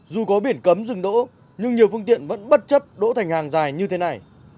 dù có biển cấm dừng đỗ nhưng nhiều phương tiện vẫn bất chấp đỗ thành hàng dài như thế này